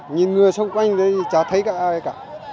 nhìn người xung quanh thì chả thấy ai cả